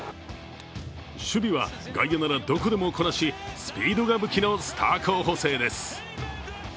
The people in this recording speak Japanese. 守備は外野ならどこでもこなしスピードが武器のスター候補生です。